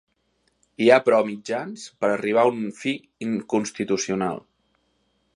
Hi ha però mitjans per arribar a un fi inconstitucional.